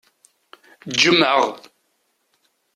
Ǧǧem-aɣ!